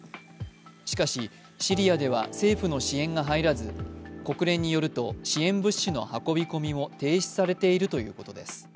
しかしシリアでは政府の支援が入らず、国連によると支援物資の運び込みも停止されているということです。